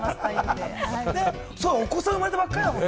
お子さん生まれたばっかりだもんね。